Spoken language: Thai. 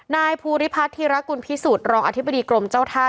นายภูริพัฒนธิรกุลพิสุทธิ์รองอธิบดีกรมเจ้าท่า